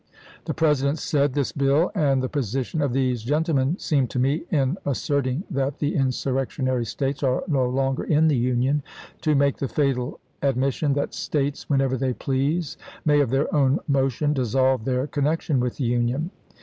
The President said :" This bill and the position of these gentlemen seem to me, in asserting that the insurrectionary States are no longer in the Union, to make the fatal admission that States, whenever they please, may of their own motion dissolve their connection with the Union.